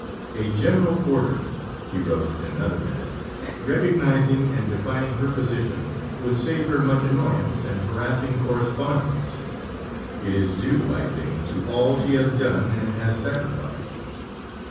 "A General Order," he wrote in another minute, "recognizing and defining her position would save her much annoyance and harassing correspondence. It is due, I think, to all she has done and has sacrificed.